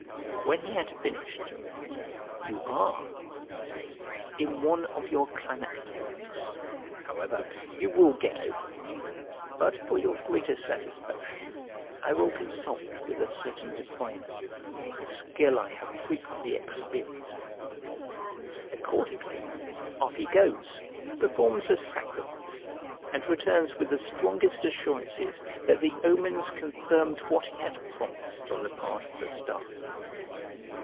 When he had finished, "You are," he says, "in one of your climacterics; however, you will get over it. But for your greater satisfaction, I will consult with a certain diviner, whose skill I have frequently experienced." Accordingly off he goes, performs a sacrifice, and returns with the strongest assurances that the omens confirmed what he had promised on the part of the stars.